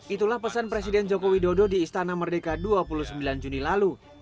itulah pesan presiden joko widodo di istana merdeka dua puluh sembilan juni lalu